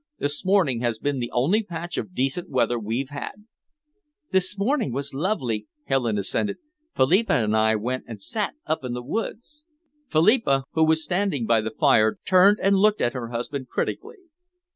This morning has been the only patch of decent weather we've had." "This morning was lovely," Helen assented. "Philippa and I went and sat up in the woods." Philippa, who was standing by the fire, turned and looked at her husband critically.